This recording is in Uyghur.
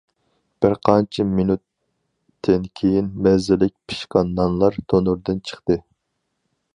بىر قانچە مىنۇتتىن كېيىن مەززىلىك پىشقان نانلار تونۇردىن چىقتى.